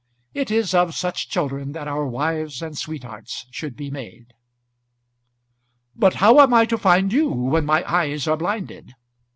It is of such children that our wives and sweethearts should be made. "But how am I to find you when my eyes are blinded?"